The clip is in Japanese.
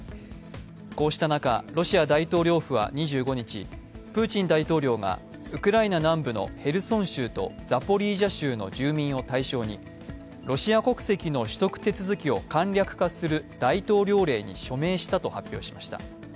こうした中、ロシア大統領府は２５日プーチン大統領がウクライナ南部のヘルソン州とザポリージャ州の住民を対象にロシア国籍の取得手続きを簡略化する大統領令に署名したと発表しました。